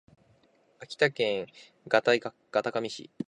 秋田県潟上市